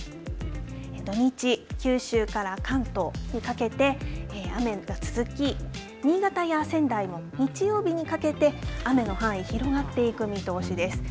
土日、九州から関東にかけて雨が続き、新潟や仙台も日曜日にかけて雨の範囲広がっていく見通しです。